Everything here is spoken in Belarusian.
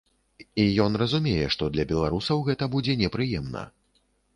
І ён разумее, што для беларусаў гэта будзе непрыемна.